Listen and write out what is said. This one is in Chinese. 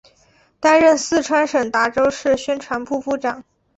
担任四川省达州市委宣传部部长。